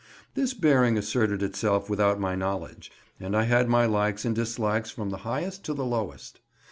This bearing asserted itself without my knowledge, and I had my likes and dislikes from the highest to the lowest.